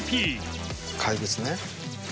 怪物ね。